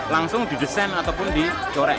langsung didesen ataupun dicorek